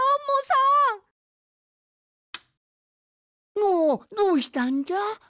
おおどうしたんじゃ？